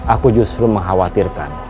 aku justru mengkhawatirkan